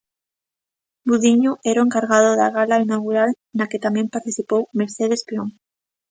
Budiño era o encargado da gala inaugural na que tamén participou Mercedes Peón.